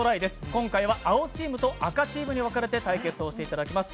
今回は青チームと赤チームに分かれて対戦していただきます。